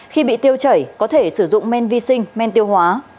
khi bị tiêu chảy có thể sử dụng men vi sinh men tiêu hóa